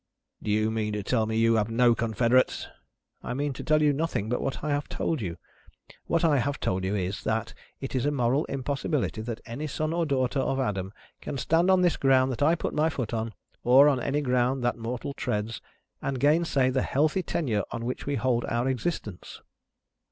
"Do you mean to tell me you have no confederates?" "I mean to tell you nothing but what I have told you. What I have told you is, that it is a moral impossibility that any son or daughter of Adam can stand on this ground that I put my foot on, or on any ground that mortal treads, and gainsay the healthy tenure on which we hold our existence."